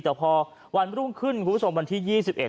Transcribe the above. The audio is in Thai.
แต่พอวันรุ่งขึ้นคุณผู้ชมวันที่๒๑